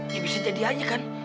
ya bisa jadi aja kan